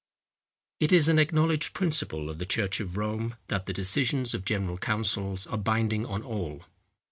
It is an acknowledged principle of the church of Rome, that the decisions of general councils are binding on all.